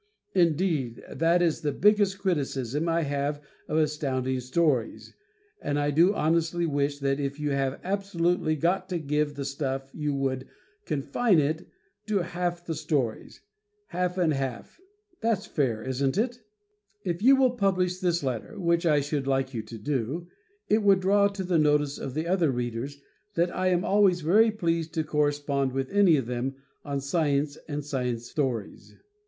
Indeed, that is the biggest criticism I have of Astounding Stories, and I do honestly wish that if you have absolutely got to give the stuff you would confine it to half the stories. Half and half that's fair, isn't it? If you will publish this letter, which I should like you to do, it would draw to the notice of the other readers that I am always very pleased to correspond with any of them on science and science stories.